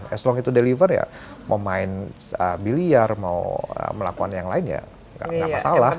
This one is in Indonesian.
as long as itu deliver ya mau main biliar mau melakukan yang lain ya gak masalah gitu